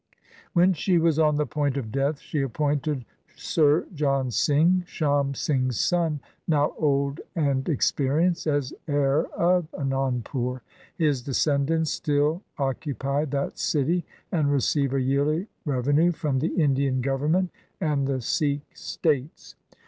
When she was on the point of death she appointed Surjan Singh, Sham Singh's son, now old and experienced, as heir of Anandpur. His descendants still occupy that city, and receive a yearly revenue from the Indian government and the Sikh states.